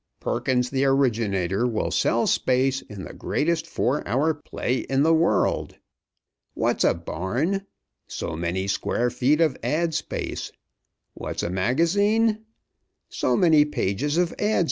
"Perkins the Originator will sell space in the greatest four hour play in the world. What's a barn? So many square feet of ad. space. What's a magazine? So many pages of ad.